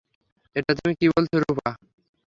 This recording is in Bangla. এটা তুমি কি বলছো রুপা?